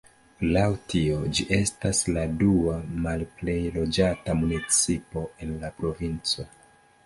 Laŭ tio ĝi estas la dua malplej loĝata municipo en la provinco.